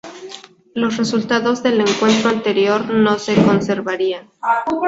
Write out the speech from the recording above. Los resultados del encuentro anterior no se conservarían.